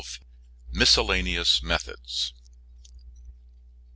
MISCELLANEOUS METHODS.